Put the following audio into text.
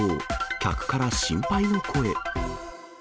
客から心配の声。